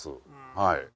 はい。